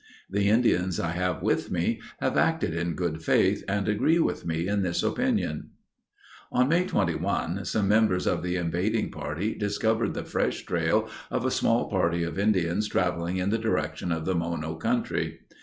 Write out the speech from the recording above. The Indians I have with me have acted in good faith and agree with me in this opinion. On May 21, some members of the invading party discovered the fresh trail of a small party of Indians traveling in the direction of the Mono country.